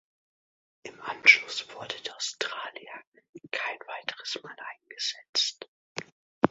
Im Anschluss wurde der Australier kein weiteres Mal eingesetzt.